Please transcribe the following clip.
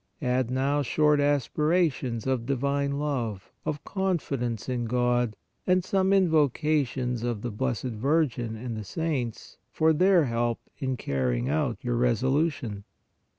Add now short aspirations of divine love, of confidence in God, and some invocations of the Blessed Virgin and the saints for their help in carrying out your resolution.